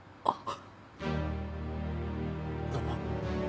あっ！